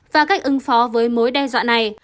và cách ứng phó với mối đe dọa này